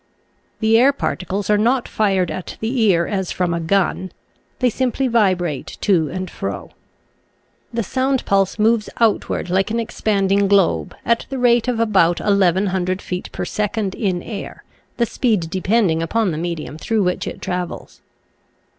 The air particles are not fired at the ear as from a gun; they simply vibrate to and fro. The sound pulse moves outward like an expand ing globe at the rate of about 1,100 feet per second in air, the speed depending upon the medium through which it travels.